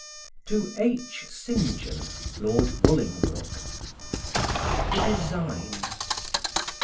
TO H. ST. JOHN LORD BOLINGBROKE. THE DESIGN.